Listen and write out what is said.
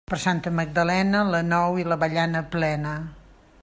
Per Santa Magdalena, l'anou i l'avellana plena.